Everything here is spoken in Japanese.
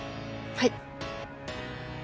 はい。